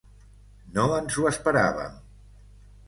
No ens ho esperàvem.